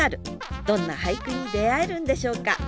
どんな俳句に出会えるんでしょうか？